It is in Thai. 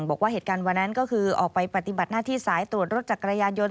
บอกว่าเหตุการณ์วันนั้นก็คือออกไปปฏิบัติหน้าที่สายตรวจรถจักรยานยนต